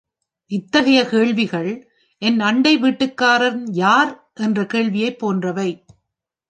இத்தகைய கேள்விகள், என் அண்டை வீட்டுக்காரன் யார்? என்ற கேள்வியைப் போன்றவை.